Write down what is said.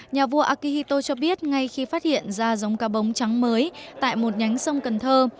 nhà vua akihito cho biết ngay khi phát hiện ra giống cá bóng trắng mới tại một nhánh sông cần thơ